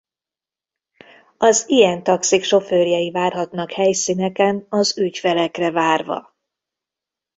Az ilyen taxik sofőrjei várhatnak helyszíneken az ügyfelekre várva.